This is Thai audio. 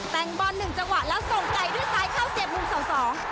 แต่งบอล๑จังหวะแล้วส่งไก่ด้วยสายเข้าเสียบลุงสอง